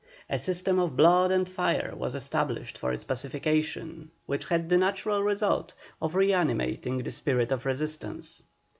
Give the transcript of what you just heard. A system of blood and fire was established for its pacification, which had the natural result of reanimating the spirit of resistance.